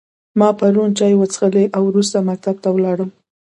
ما پرون چای وچیښلی او وروسته مکتب ته ولاړم